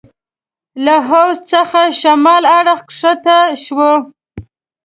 له حوض څخه شمال اړخ کښته شوو.